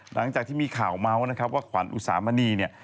หลังจากที่มีข่าวเมาส์นะครับว่าขวัญอุสามณีเนี่ย